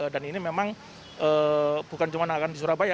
dan ini memang bukan cuma di surabaya